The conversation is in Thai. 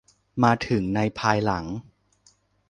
มาถึงในภายหลัง